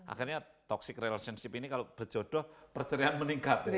akhirnya toxic relationship ini kalau berjodoh percerian meningkat